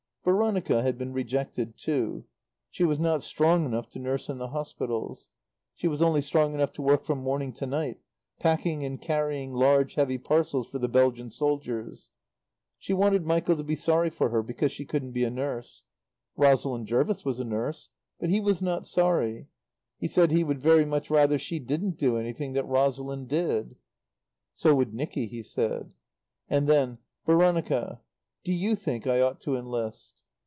Veronica had been rejected too. She was not strong enough to nurse in the hospitals. She was only strong enough to work from morning to night, packing and carrying large, heavy parcels for the Belgian soldiers. She wanted Michael to be sorry for her because she couldn't be a nurse. Rosalind Jervis was a nurse. But he was not sorry. He said he would very much rather she didn't do anything that Rosalind did. "So would Nicky," he said. And then: "Veronica, do you think I ought to enlist?"